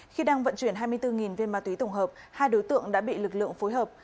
khi đang vận chuyển hai mươi bốn viên ma túy tổng hợp hai đối tượng đã bị lực lượng phối hợp